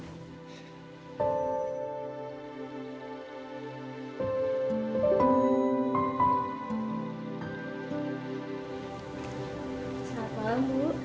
selamat malam bu